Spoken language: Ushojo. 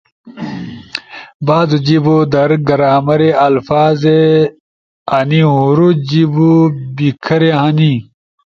بعضو جیبو در گرامرے، الفاظے آںی ہورو جیِبو بی کھری ہنی۔